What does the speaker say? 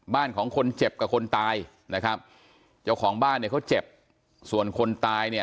บ้านของคนเจ็บกับคนตายนะครับเจ้าของบ้านเนี่ยเขาเจ็บส่วนคนตายเนี่ย